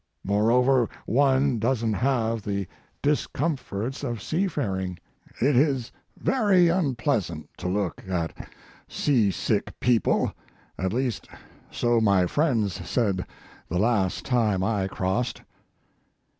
Moreover, one doesn t have the discomforts of seafaring. It is very unpleasant to look at sea sick people at least so my friends said the last time I crossed.